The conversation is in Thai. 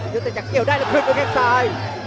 ยุติจักรเกี่ยวได้เเหละิ้มกับยุติข้างซ้าย